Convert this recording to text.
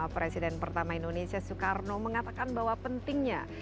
presiden pertama indonesia soekarno mengatakan bahwa pentingnya